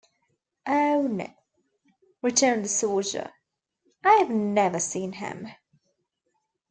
"Oh, no;" returned the soldier; "I have never seen him.